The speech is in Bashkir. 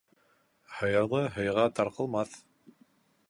Һыйырлы һыйға тарҡылмаҫ.